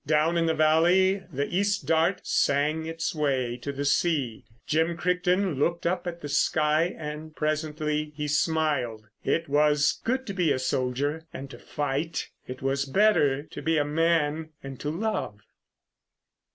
Down in the valley the East Dart sang its way to the sea. Jim Crichton looked up at the sky. And presently he smiled. It was good to be a soldier and to fight. It was better to be a man, and to love.